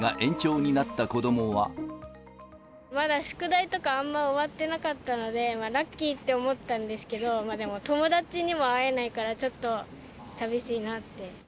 まだ宿題とか、あんま終わってなかったので、ラッキーって思ったんですけど、でも友達にも会えないから、ちょっとさみしいなって。